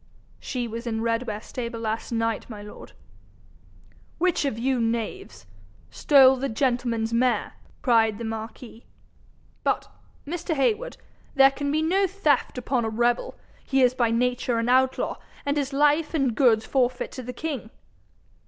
'She was in Redware stable last night, my lord.' 'Which of you, knaves, stole the gentleman's mare?' cried the marquis. 'But, Mr. Heywood, there can be no theft upon a rebel. He is by nature an outlaw, and his life and goods forfeit to the king.'